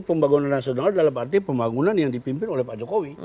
pembangunan nasional dalam arti pembangunan yang dipimpin oleh pak jokowi